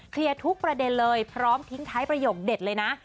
ทุกประเด็นเลยพร้อมทิ้งท้ายประโยคเด็ดเลยนะ